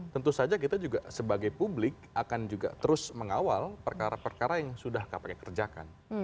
tentu saja kita juga sebagai publik akan juga terus mengawal perkara perkara yang sudah kpk kerjakan